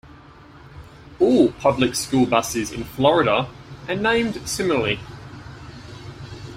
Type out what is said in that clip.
All public school buses in Florida are named similarly.